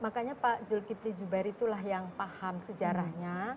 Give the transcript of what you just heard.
makanya pak julkipli zuber itulah yang paham sejarahnya